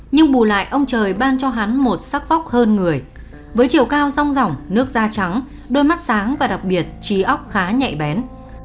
nhưng bù lại ông trời ban cho hắn một sắc phóc hơn người với chiều cao rong rỏng nước da trắng đôi mắt sáng và đặc biệt trí ốc khá nhạy bén